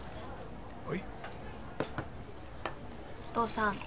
お父さん。